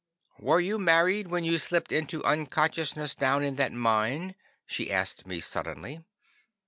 "Were you married when you slipped into unconsciousness down in that mine?" she asked me suddenly.